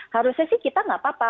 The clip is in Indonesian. harusnya sih kita nggak apa apa